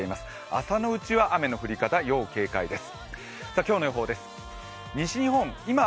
朝のうちは雨の降り方、要警戒です。